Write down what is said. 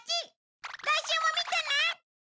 来週も見てね！